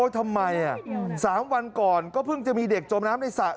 ทำไม๓วันก่อนก็เพิ่งจะมีเด็กจมน้ำในสระ